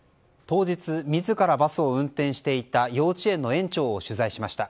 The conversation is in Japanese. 当日、自らバスを運転していた幼稚園の園長を取材しました。